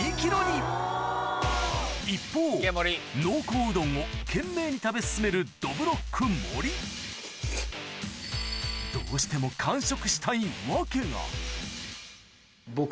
一方濃厚うどんを懸命に食べ進めるどぶろっく・森どうしてもえっ！